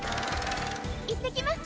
いってきます。